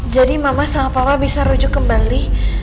jadi mama sama papa bisa rujuk kembali